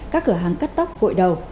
các cửa hàng cắt tóc gội đầu